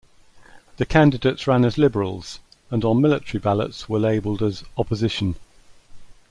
The candidates ran as Liberals, and on military ballots, were labelled as Opposition.